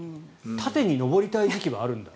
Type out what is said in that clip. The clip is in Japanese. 縦に上りたい時期はあるんだ。